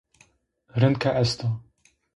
Rind ke est a